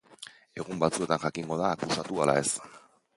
Egun batzuetan jakingo da akusatu ala ez.